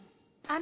あ。